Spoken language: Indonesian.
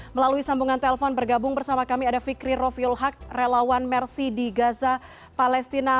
melalui sambungan telepon bergabung bersama kami ada fikri rofiul haq relawan mersi di gaza palestina